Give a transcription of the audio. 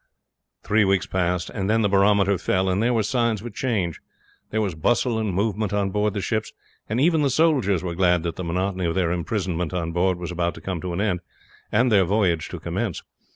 Three weeks passed and then the barometer fell, and there were signs of a change. There was bustle and movement on board the ships, and even the soldiers were glad that the monotony of their imprisonment on board was about to come to an end, and their voyage to commence.